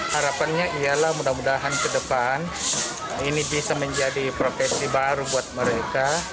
harapannya ialah mudah mudahan ke depan ini bisa menjadi profesi baru buat mereka